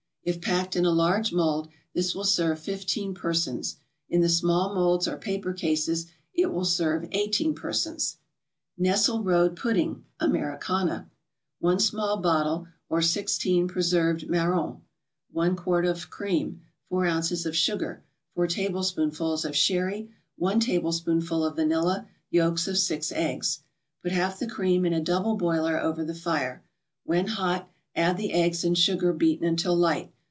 If packed in a large mold, this will serve fifteen persons; in the small molds or paper cases, it will serve eighteen persons. NESSELRODE PUDDING, AMERICANA 1 small bottle, or sixteen preserved marrons 1 quart of cream 4 ounces of sugar 4 tablespoonfuls of sherry 1 tablespoonful of vanilla Yolks of six eggs Put half the cream in a double boiler over the fire; when hot, add the eggs and sugar beaten until light.